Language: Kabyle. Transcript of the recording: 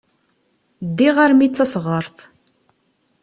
Ddiɣ armi d tasɣert.